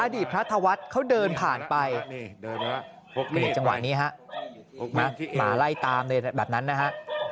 อดีตพระธวัฒน์เขาเดินผ่านไปจังหวะนี้ฮะหมาไล่ตามเลยแบบนั้นนะฮะ